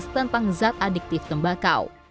tentang zat adiktif tembakau